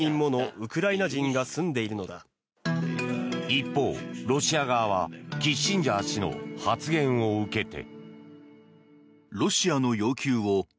一方、ロシア側はキッシンジャー氏の発言を受けて。